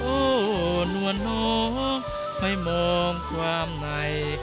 โอ้นัวน้องไม่มองความใน